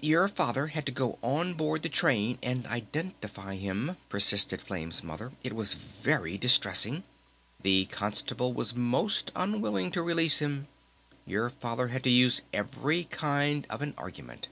"Your Father had to go on board the train and identify him," persisted Flame's Mother. "It was very distressing.... The Constable was most unwilling to release him. Your Father had to use every kind of an argument."